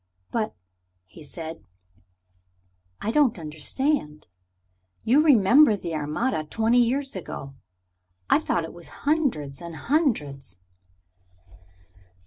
"But," he said, "I don't understand. You remember the Armada twenty years ago. I thought it was hundreds and hundreds."